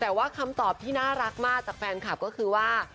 แต่ว่าคำตอบที่น่ารักมากจากแฟนคลับก็คือว่า